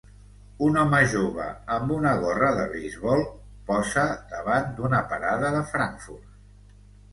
Un home jove amb una gorra de beisbol posa davant d'una parada de frankfurts.